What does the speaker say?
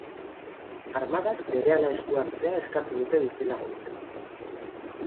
Armadak berehala esku hartzea eskatu dute bizilagunek.